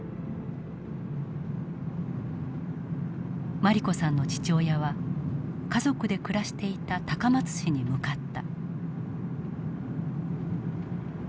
茉莉子さんの父親は家族で暮らしていた高松市に向かった。